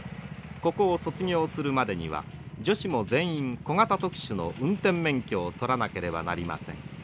ここを卒業するまでには女子も全員小型特殊の運転免許を取らなければなりません。